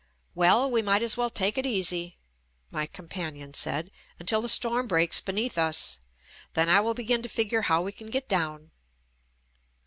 "Well, we might as well take it easy," my companion said, "until the storm breaks beneath us — then I will begin to figure how we can get down."